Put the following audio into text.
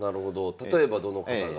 例えばどの方が？